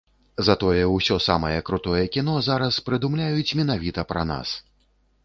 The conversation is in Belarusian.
Затое ўсё самае крутое кіно зараз прыдумляюць менавіта пра нас.